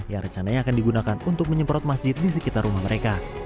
yang rencananya akan digunakan untuk menyemprot masjid di sekitar rumah mereka